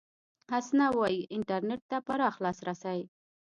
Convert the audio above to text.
حسنه وايي، انټرنېټ ته پراخ لاسرسي